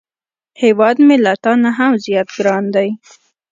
هیواد مې له تا نه هم زیات ګران دی